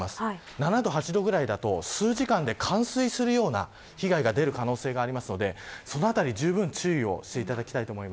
７度、８度ぐらいだと数時間で冠水するような被害が出る可能性もあるのでそのあたりにじゅうぶん注意してください。